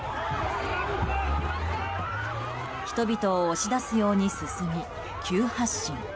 人々を押し出すように進み急発進。